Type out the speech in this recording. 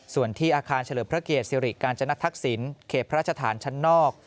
ส่วนที่อาคารเฉลิมพระเกียรติสิริกาญจนทักษิณเขตพระราชฐานชั้นนอก